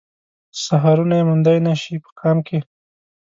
سحرونه يې موندای نه شي په قام کې